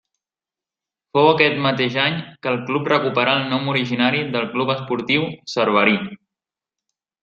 Fou aquest mateix any que el club recuperà el nom originari de Club Esportiu Cerverí.